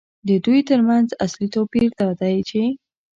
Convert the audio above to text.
د دوی ترمنځ اصلي توپیر دا دی چې